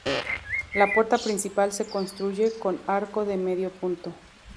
La puerta principal se construye con arco de medio punto.